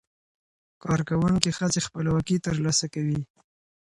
کارکوونکې ښځې خپلواکي ترلاسه کوي.